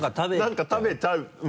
なんか食べちゃう。